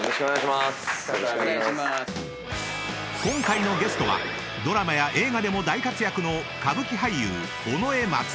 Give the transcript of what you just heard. ［今回のゲストはドラマや映画でも大活躍の］